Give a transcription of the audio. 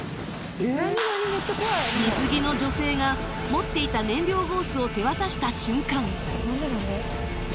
水着の女性が持っていた燃料ホースを手渡した瞬間